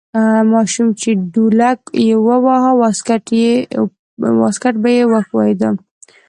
ماشوم چې ډولک یې واهه واسکټ به یې ښویده.